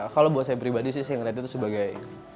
kalau buat saya pribadi sih saya melihat itu sebagai